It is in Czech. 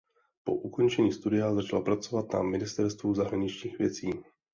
Po ukončení studia začal pracovat na ministerstvu zahraničních věcí.